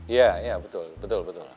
iya iya betul betul